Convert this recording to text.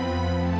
aku mau pergi